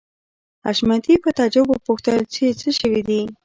حشمتي په تعجب وپوښتل چې څه شوي دي